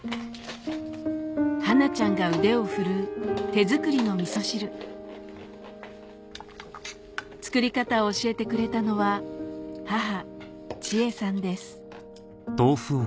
はなちゃんが腕を振るう手作りのみそ汁作り方を教えてくれたのは母・千恵さんです